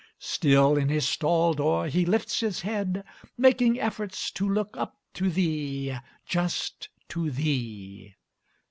Still in his stall door he lifts his head, making Efforts to look up to thee: just to thee!